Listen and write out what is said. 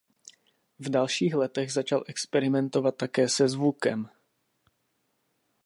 V dalších letech začal experimentovat také se zvukem.